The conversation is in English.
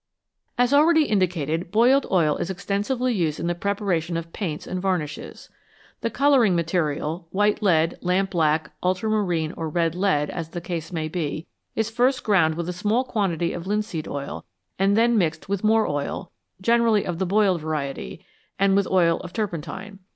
As already indicated, boiled oil is extensively used in the preparation of paints and varnishes. The colour ing material, white lead, lampblack, ultramarine, or red lead, as the case may be, is first ground with a small quantity of linseed oil and then mixed with more oil, generally of the boiled variety, and with oil of turpentine.